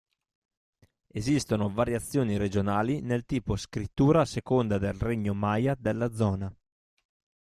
Esistono variazioni regionali nel tipo scrittura a seconda del regno maya della zona.